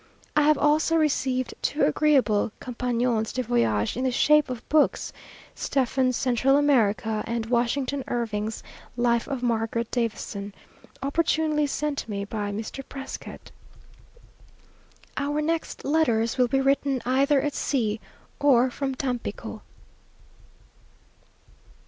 I have also received two agreeable compagnons de voyage in the shape of books; Stephen's "Central America," and Washington Irving's "Life of Margaret Davison," opportunely sent me by Mr. Prescott.... Our next letters will be written either at sea, or from Tampico.